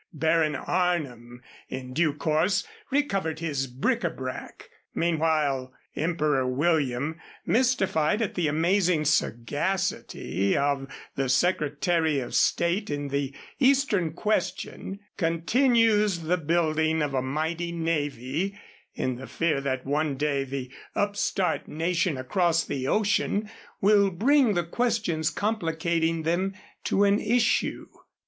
Baron Arnim, in due course, recovered his bric à brac. Meanwhile Emperor William, mystified at the amazing sagacity of the Secretary of State in the Eastern question, continues the building of a mighty navy in the fear that one day the upstart nation across the ocean will bring the questions complicating them to an issue.